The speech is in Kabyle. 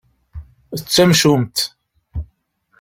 D tamcumt.